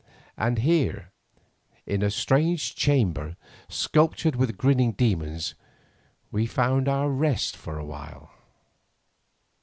And here in a strange chamber sculptured with grinning demons we found rest for a while.